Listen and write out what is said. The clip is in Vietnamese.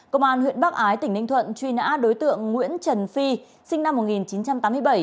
công an huyện bắc ái tỉnh ninh thuận truy nã đối tượng nguyễn trần phi sinh năm một nghìn chín trăm tám mươi bảy